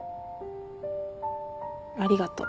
ありがとう。